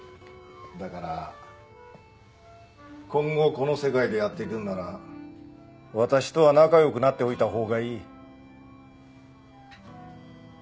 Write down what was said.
だから今後この世界でやってくんなら私とは仲良くなっておいた方がいい。